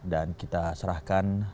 dan kita serahkan